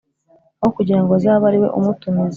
aho kugira ngo azabe ariwe umutumiza.